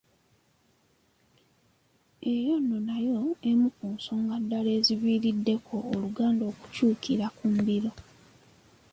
Eyo nno nayo emu ku nsonga ddala eziviiriddeko Oluganda okukyukira ku mbiro